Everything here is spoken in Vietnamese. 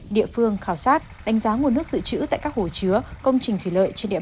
địa phương khảo sát đánh giá nguồn nước dự trữ tại các hồ chứa công trình thủy lợi trên địa